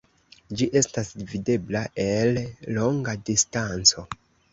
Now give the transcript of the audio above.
Ĝi estas videbla el longa distanco.